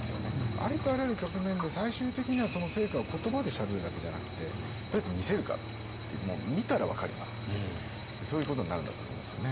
ありとあらゆる局面で最終的にはその成果を言葉でしゃべるだけじゃなくてどうやって見せるかってもう見たら分かりますっていうそういうことになるんだと思いますよね。